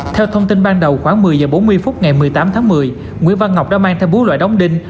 theo thông tin ban đầu khoảng một mươi h bốn mươi phút ngày một mươi tám tháng một mươi nguyễn văn ngọc đã mang theo bốn loại đóng đinh